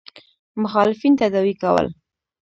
مخالفین تداوي کول.